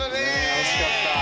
惜しかった。